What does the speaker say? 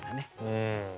うん。